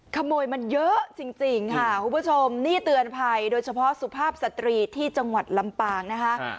ขโมยมันเยอะจริงค่ะคุณผู้ชมนี่เตือนภัยโดยเฉพาะสุภาพสตรีที่จังหวัดลำปางนะคะ